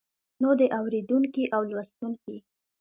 نو د اوريدونکي او لوستونکي